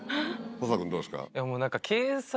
細田君どうですか？